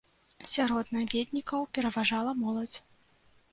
Сярод наведнікаў пераважала моладзь.